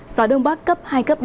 gió đông bắc cấp hai ba độ